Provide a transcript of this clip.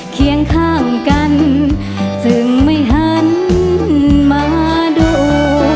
เคียงข้างกันจึงไม่หันมาดู